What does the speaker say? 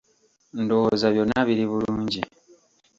Ndowooza byonna biri bulungi.